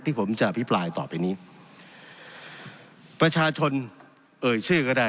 ผมจะอภิปรายต่อไปนี้ประชาชนเอ่ยชื่อก็ได้